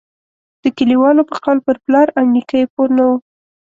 د کلیوالو په قول پر پلار او نیکه یې پور نه وو.